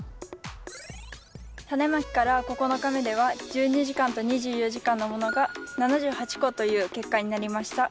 タネまきから９日目では１２時間と２４時間のものが７８個という結果になりました。